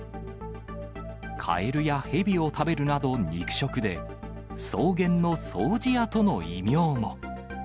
カエルやヘビを食べるなど肉食で、草原の掃除屋とも異名も。